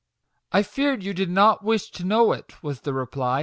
" I feared you did not wish to know it" was the reply.